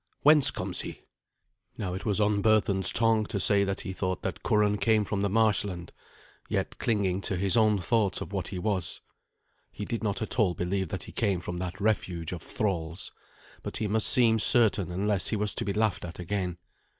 Whence comes he?" Now it was on Berthun's tongue to say that he thought that Curan came from the marshland, yet clinging to his own thoughts of what he was. He did not at all believe that he came from that refuge of thralls. But he must seem certain unless he was to be laughed at again.